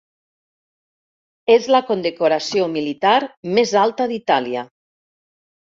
És la condecoració militar més alta d'Itàlia.